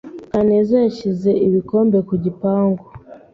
Kaneza yashyize ibikombe ku gipangu.